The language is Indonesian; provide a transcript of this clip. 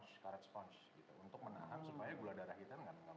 seperti karet sponge gitu untuk menahan supaya gula darah kita nggak meroket